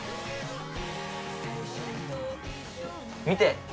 見て！